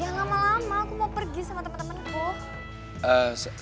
ya lama lama aku mau pergi sama temen temenku